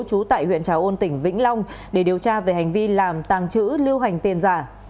trú tại huyện trà ôn tỉnh vĩnh long để điều tra về hành vi làm tàng trữ lưu hành tiền giả